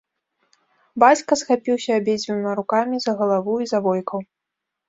Бацька схапіўся абедзвюма рукамі за галаву і завойкаў.